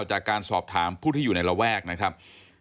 จากการสอบถามผู้ที่อยู่ในระแวกนะครับ